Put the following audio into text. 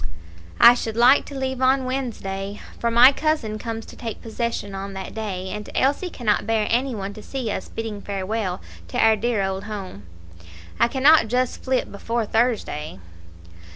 "I should like to leave on Wednesday, for my cousin comes to take possession on that day, and Elsie cannot bear any one to see us bidding farewell to our dear old home." "I cannot just flit before Thursday."